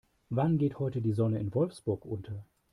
Wann geht heute die Sonne in Wolfsburg unter?